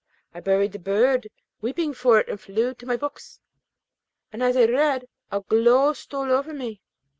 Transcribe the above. I buried the bird, weeping for it, and flew to my books, and as I read a glow stole over me.